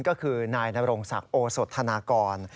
ก็คือนายนรงศักดิ์โอสธนากร